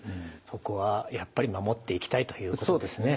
そこはやっぱり守っていきたいということですね。